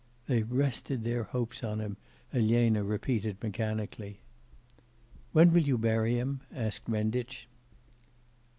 'They rested their hopes on him,' Elena repeated mechanically. 'When will you bury him?' asked Renditch.